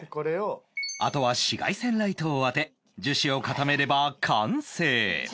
あとは紫外線ライトを当て樹脂を固めれば完成